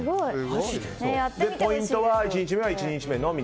ポイントは１日目１日目のみ。